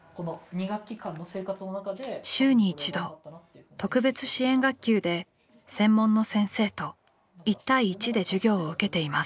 週に一度特別支援学級で専門の先生と一対一で授業を受けています。